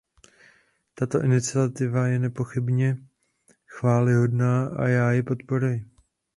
Tato iniciativa je nepochybně chvályhodná a já ji podporuji.